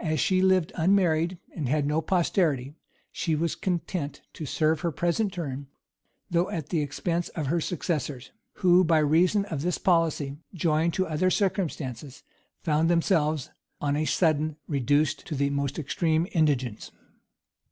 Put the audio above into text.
As she lived unmarried, and had no posterity, she was content to serve her present turn, though at the expense of her successors; who, by reason of this policy, joined to other circumstances, found themselves on a sudden reduced to the most extreme indigence.